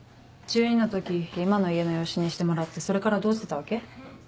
１２の時今の家の養子にしてもらってそれからどうしてたわけ？